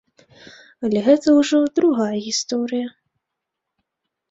Але гэта ўжо другая гісторыя.